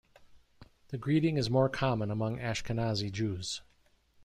The greeting is more common amongst Ashkenazi Jews.